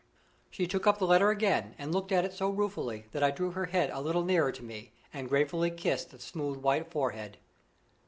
She took up the letter again, and looked at it so ruefully that I drew her head a little nearer to me, and gratefully kissed the smooth white forehead.